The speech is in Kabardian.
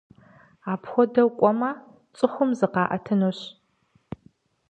Апхуэдэу кӏуэмэ, цӏыхум зыкъаӏэтынущ.